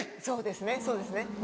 そうですねそうですね。